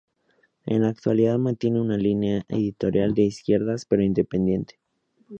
En la actualidad mantiene una línea editorial de izquierdas pero independiente.